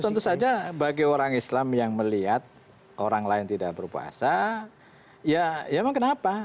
tentu saja bagi orang islam yang melihat orang lain tidak berpuasa ya emang kenapa